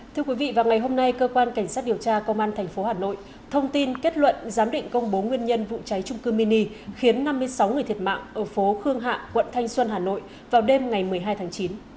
thưa quý vị vào ngày hôm nay cơ quan cảnh sát điều tra công an tp hà nội thông tin kết luận giám định công bố nguyên nhân vụ cháy trung cư mini khiến năm mươi sáu người thiệt mạng ở phố khương hạ quận thanh xuân hà nội vào đêm ngày một mươi hai tháng chín